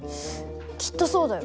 きっとそうだよ。